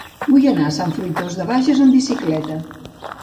Vull anar a Sant Fruitós de Bages amb bicicleta.